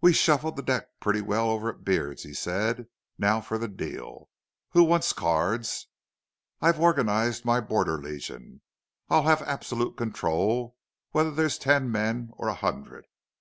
"We shuffled the deck pretty well over at Beard's," he said. "Now for the deal.... Who wants cards?... I've organized my Border Legion. I'll have absolute control, whether there're ten men or a hundred.